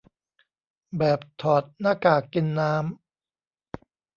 แบบถอดหน้ากากกินน้ำ